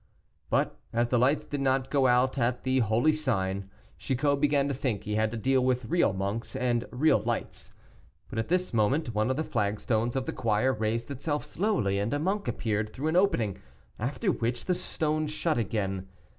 But as the lights did not go out at the holy sign, Chicot began to think he had to deal with real monks and real lights; but at this moment one of the flagstones of the choir raised itself slowly, and a monk appeared through the opening, after which the stone shut again.